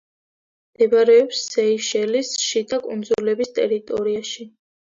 მდებარეობს სეიშელის შიდა კუნძულების ტერიტორიაზე.